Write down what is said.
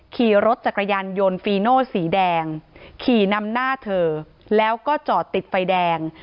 ขี่รถจักรยานยนต์ฟีโน่สีแดงขี่นำหน้าเธอแล้วก็จอดติดไฟแดง